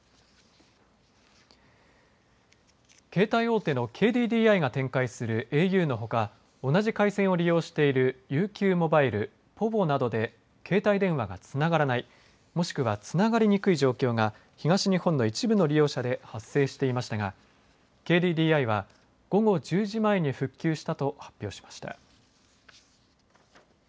携帯大手のＫＤＤＩが展開するａｕのほか同じ回線を利用しているＵＱモバイル、ｐｏｖｏなどで携帯電話がつながらないもしくは、つながりにくい状況が東日本の一部の利用者で発生していましたがＫＤＤＩは午後１０時前に復旧したと発表しました。